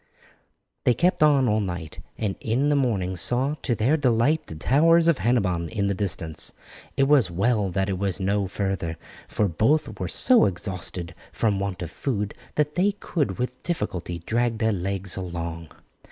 They kept on all night, and in the morning saw to their delight the towers of Hennebon in the distance. It was well that it was no further, for both were so exhausted from want of food that they could with difficulty drag their legs along.